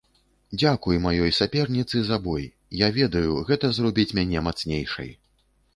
Дзякуй маёй саперніцы за бой, я ведаю, гэта зробіць мяне мацнейшай!